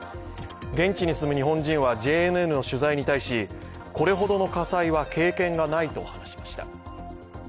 現地に住む日本人はＪＮＮの取材に対しこれほどの火災は経験がないと話しました。